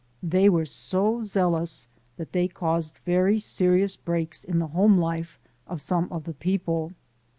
They were so zealous that they caused very serious breaks in the home life of some of the people.